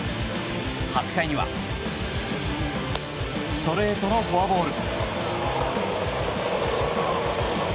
８回にはストレートのフォアボール。